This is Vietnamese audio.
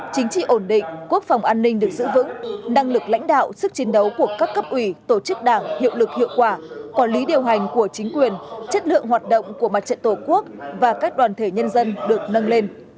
chính trị ổn định quốc phòng an ninh được giữ vững năng lực lãnh đạo sức chiến đấu của các cấp ủy tổ chức đảng hiệu lực hiệu quả quản lý điều hành của chính quyền chất lượng hoạt động của mặt trận tổ quốc và các đoàn thể nhân dân được nâng lên